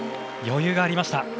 余裕がありました。